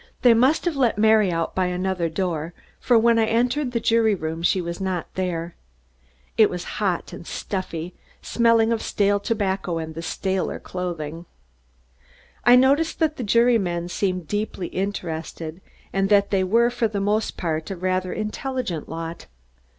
They must have let Mary out by another door for when I entered the jury room she was not there. It was hot and stuffy, smelling of stale tobacco and staler clothing. I noticed that the jurymen seemed deeply interested and that they were, for the most part, a rather intelligent lot.